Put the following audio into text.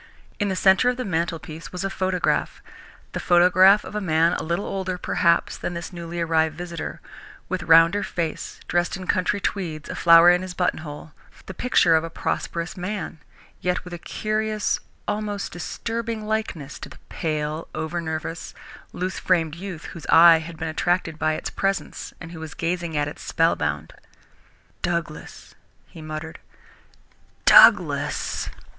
In the centre of the mantelpiece was a photograph, the photograph of a man a little older, perhaps, than this newly arrived visitor, with rounder face, dressed in country tweeds, a flower in his buttonhole, the picture of a prosperous man, yet with a curious, almost disturbing likeness to the pale, over nervous, loose framed youth whose eye had been attracted by its presence, and who was gazing at it, spellbound. "Douglas!" he muttered. "Douglas!"